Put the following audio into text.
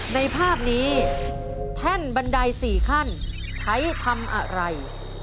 ในภาพนี้แท่นบันได๔ขั้นใช้ทำอะไร